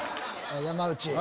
山内。